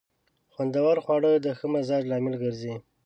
خوندور خواړه د ښه مزاج لامل ګرځي.